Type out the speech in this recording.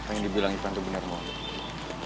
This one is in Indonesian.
apa yang dibilang ipan tuh bener mohon